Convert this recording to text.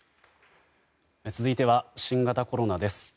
続いては新型コロナです。